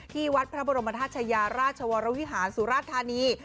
ที่วัดพระบรมธาตุชายาราชวรวิหารสุราชธานี